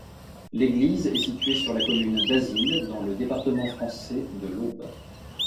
L'église est située sur la commune d'Azille, dans le département français de l'Aude.